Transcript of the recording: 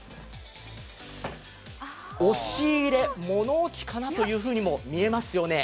押し入れ物置かなというふうにも見えますよね。